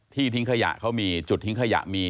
ทิ้งขยะเขามีจุดทิ้งขยะมี